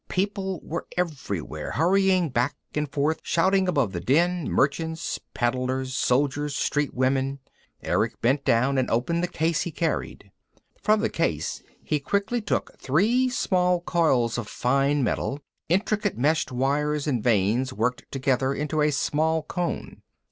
People were everywhere, hurrying back and forth, shouting above the din, merchants, peddlers, soldiers, street women. Erick bent down and opened the case he carried. From the case he quickly took three small coils of fine metal, intricate meshed wires and vanes worked together into a small cone.